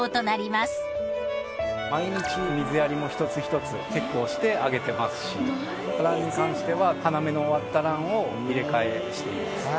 毎日水やりも一つ一つ結構してあげてますし蘭に関しては花の終わった蘭を入れ替えしています。